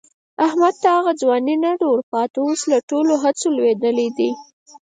احمد ته هغه ځواني نه ده ورپاتې، اوس له ټولو هڅو نه لوېدلی دی.